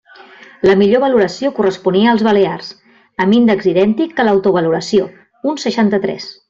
La millor valoració corresponia als balears, amb índex idèntic que l'autovaloració, un seixanta-tres.